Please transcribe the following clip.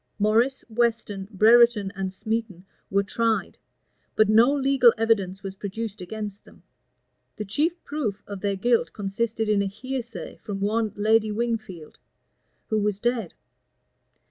Morris, Weston, Brereton, and Smeton, were tried; but no legal evidence was produced against them. The chief proof of their guilt consisted in a hearsay from one Lady Wingfield, who was dead.